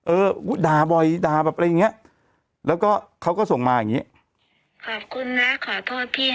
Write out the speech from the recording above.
เออด่าบ่อยด่าแบบไรเงี้ยแล้วก็เขาก็ส่งมาอย่างเงี้ย